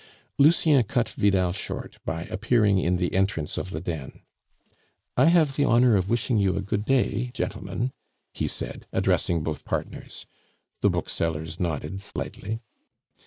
Lucien cut Vidal short by appearing in the entrance of the den. "I have the honor of wishing you a good day, gentlemen," he said, addressing both partners. The booksellers nodded slightly.